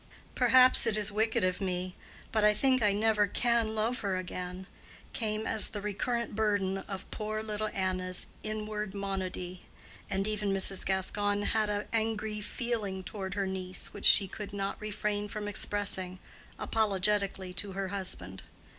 "Perhaps it is wicked of me, but I think I never can love her again," came as the recurrent burden of poor little Anna's inward monody. And even Mrs. Gascoigne had an angry feeling toward her niece which she could not refrain from expressing (apologetically) to her husband.